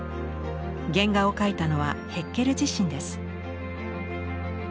原画を描いたのはヘッケル自身です。